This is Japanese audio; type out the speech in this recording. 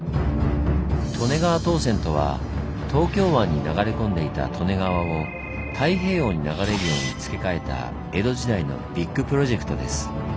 「利根川東遷」とは東京湾に流れ込んでいた利根川を太平洋に流れるように付け替えた江戸時代のビッグプロジェクトです。